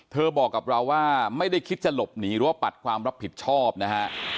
บอกกับเราว่าไม่ได้คิดจะหลบหนีหรือว่าปัดความรับผิดชอบนะฮะ